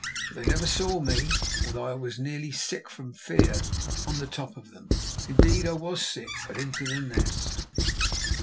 But they never saw me, although I was nearly sick from fear on the top of them. Indeed, I was sick, but into the nest.